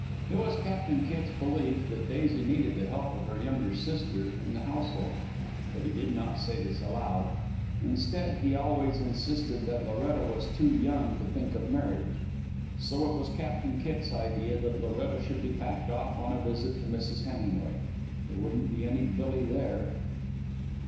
It was Captain Kitt's belief that Daisy needed the help of her younger sister in the household. But he did not say this aloud. Instead, he always insisted that Loretta was too young to think of marriage. So it was Captain Kitt's idea that Loretta should be packed off on a visit to Mrs. Hemingway. There wouldn't be any Billy there.